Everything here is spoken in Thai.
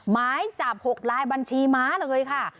หมายจับ๖ลายบัญชีม้าเลยค่ะ